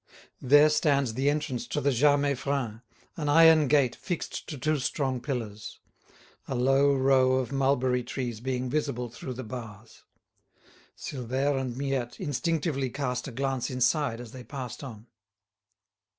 There stands the entrance to the Jas Meiffren, an iron gate fixed to two strong pillars; a low row of mulberry trees being visible through the bars. Silvère and Miette instinctively cast a glance inside as they passed on.